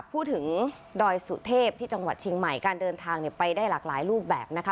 ดอยสุเทพที่จังหวัดเชียงใหม่การเดินทางไปได้หลากหลายรูปแบบนะคะ